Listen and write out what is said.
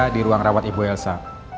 di ruang rawat ibu elsa